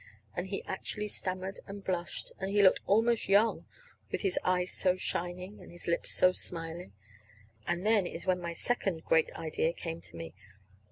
And he actually stammered and blushed, and he looked almost young with his eyes so shining and his lips so smiling. And then is when my second great idea came to me.